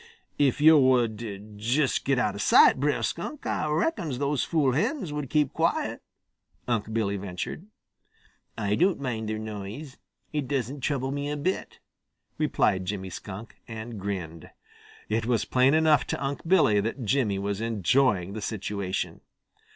"If yo' would just get out of sight, Brer Skunk, Ah reckons those fool hens would keep quiet," Unc' Billy ventured. "I don't mind their noise. It doesn't trouble me a bit," replied Jimmy Skunk, and grinned. It was plain enough to Unc' Billy that Jimmy was enjoying the situation.